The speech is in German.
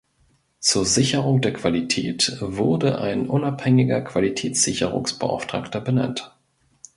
Zur Sicherung der Qualität wurde ein unabhängiger Qualitätssicherungs-Beauftragter benannt.